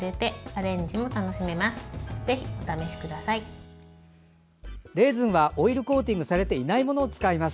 レーズンはオイルコーティングされていないものを使います。